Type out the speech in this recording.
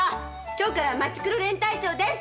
今日からマチクロ連隊長です！